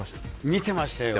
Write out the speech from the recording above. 見てましたよ。